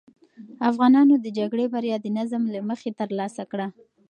افغانانو د جګړې بریا د نظم له مخې ترلاسه کړه.